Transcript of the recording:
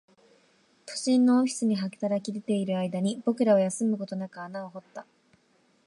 都心のオフィスに働き出ている間に、僕らは休むことなく穴を掘った